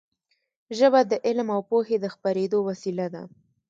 ژبه د علم او پوهې د خپرېدو وسیله ده.